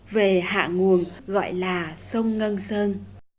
về hạ nguồn gọi là sông ngân sơn